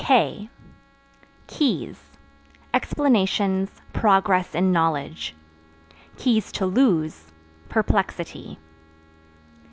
K Keys Explanations, progress in knowledge; (to lose) perplexity.